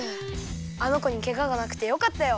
あのこにケガがなくてよかったよ。